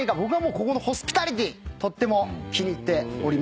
ここのホスピタリティーとっても気に入っております。